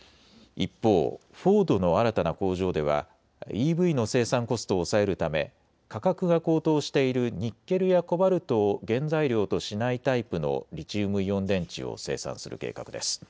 一方、フォードの新たな工場ではＥＶの生産コストを抑えるため価格が高騰しているニッケルやコバルトを原材料としないタイプのリチウムイオン電池を生産する計画です。